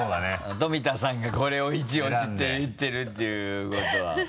富田さんがこれをイチオシって言ってるっていうことは。